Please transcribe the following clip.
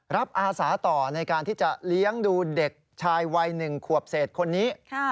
อาสาต่อในการที่จะเลี้ยงดูเด็กชายวัย๑ขวบเศษคนนี้